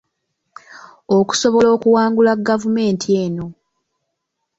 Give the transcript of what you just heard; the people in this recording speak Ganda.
Okusobola okuwangula gavumenti eno.